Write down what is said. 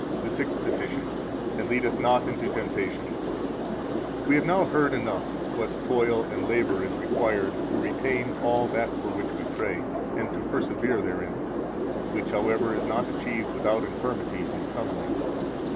The Sixth Petition. 99 And lead us not into temptation. 100 We have now heard enough what toil and labor is required to retain all that for which we pray, and to persevere therein, which, however, is not achieved without infirmities and stumbling.